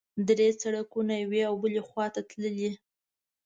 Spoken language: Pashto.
درې سړکونه یوې او بلې خوا ته تللي.